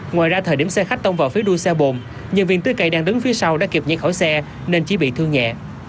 ngoài ra thời điểm xe khách tông vào phía đuôi xe bồn nhân viên tưới cây đang đứng phía sau đã kịp nhảy khỏi xe nên chỉ bị thương nhẹ